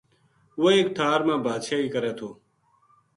وہ ایک ٹھار ما بادشاہی کرے تھو